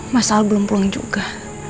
mas al belum pulang juga